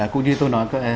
cũng như tôi nói